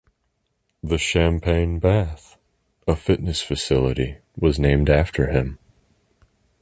The Champagne Bath, a fitness facility, was named after him.